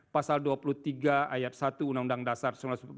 pasal dua puluh tiga ayat satu undang undang dasar sembilan belas sembilan